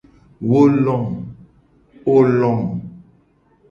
Wo lom.